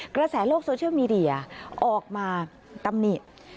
กระแสโลกโซเชียลมีเดียออกมาตำหนิ